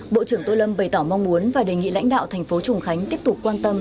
bộ trưởng tô lâm bày tỏ mong muốn và đề nghị lãnh đạo thành phố trùng khánh tiếp tục quan tâm